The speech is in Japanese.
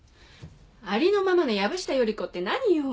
ありのままの藪下依子って何よ。